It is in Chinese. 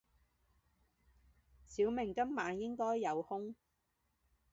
小明今晚应该有空。